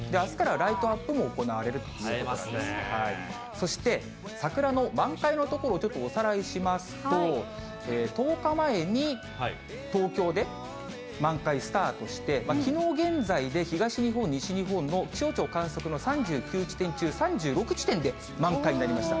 そして、桜の満開の所をちょっとおさらいしますと、１０日前に東京で満開スタートして、きのう現在で東日本、西日本の気象庁観測の３９地点中３６地点で満開になりました。